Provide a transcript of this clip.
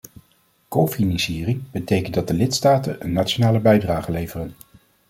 Cofinanciering betekent dat de lidstaten een nationale bijdrage leveren.